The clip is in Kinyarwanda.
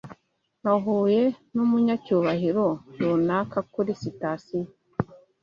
Nahuye numunyacyubahiro runaka kuri sitasiyo.